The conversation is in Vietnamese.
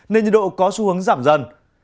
nên nhiệt độ có xu hướng giảm dần